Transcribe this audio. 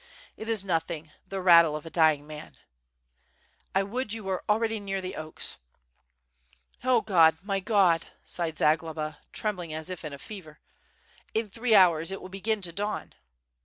"It is nothing, the rattle of a Aying man." "I would you were already near the oaks." "0 God! my God!" sighed Zagloba, trembling as if in a fever, "in three hours it will begin to dawn."